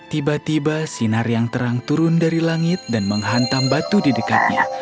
tiba tiba sinar yang terang turun dari langit dan menghantam batu di dekatnya